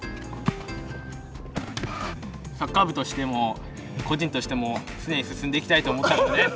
サッカー部としても個人としても常に進んでいきたいと思ったからです。